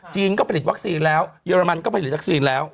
ก็ผลิตวัคซีนแล้วเยอรมันก็ผลิตวัคซีนแล้ว